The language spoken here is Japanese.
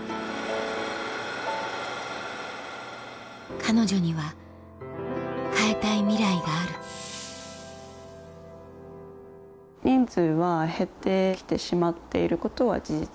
彼女には変えたいミライがある人数は減って来てしまっていることは事実。